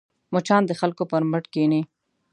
مچان د خلکو پر مټ کښېني